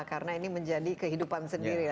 karena ini menjadi kehidupan sendiri